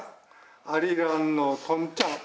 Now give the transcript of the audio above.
「アリランのトンチャン」